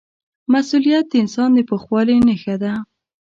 مسؤلیت د انسان د پوخوالي نښه ده.